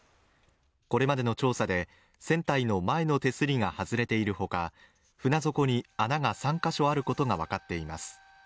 これまでの調査で船体の前の手すりが外れている他、船底に穴が３カ所あることが分かっています。